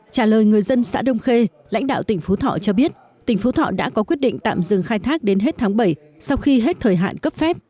trả lời người dân xã đông khê lãnh đạo tỉnh phú thọ cho biết tỉnh phú thọ đã có quyết định tạm dừng khai thác đến hết tháng bảy sau khi hết thời hạn cấp phép